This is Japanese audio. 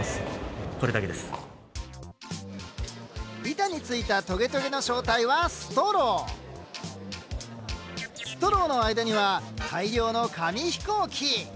板についたトゲトゲの正体はストローの間には大量の紙飛行機。